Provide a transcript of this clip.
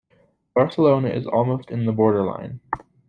Barcelona is almost in the border line.